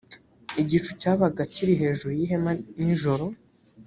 igicu cyabaga kiri hejuru y’ihema nijoro.